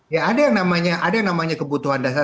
ya ada yang namanya kebutuhan dasar